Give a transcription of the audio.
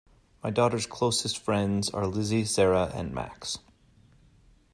My daughter's closest friends are Lizzie, Sarah and Max.